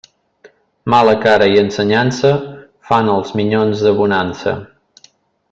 Mala cara i ensenyança fan els minyons de bonança.